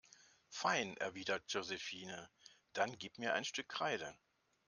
Fein, erwidert Josephine, dann gib mir ein Stück Kreide.